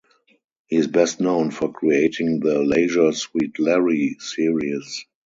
He is best known for creating the "Leisure Suit Larry" series.